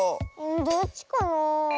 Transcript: どっちかな？